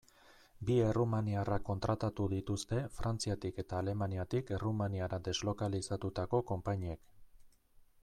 Bi errumaniarrak kontratatu dituzte Frantziatik eta Alemaniatik Errumaniara deslokalizatutako konpainiek.